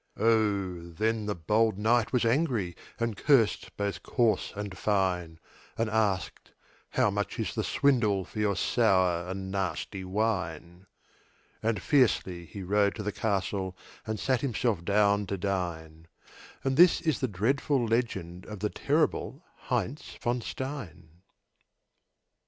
Oh, then the bold knight was angry, And cursed both coarse and fine; And asked, "How much is the swindle For your sour and nasty wine?" And fiercely he rode to the castle And sat himself down to dine; And this is the dreadful legend Of the terrible Heinz von Stein.